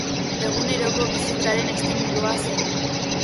Eguneroko bizitzaren estimulua zen.